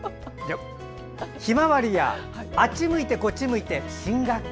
「ひまわりやあっち向いてこっち向いて新学期」。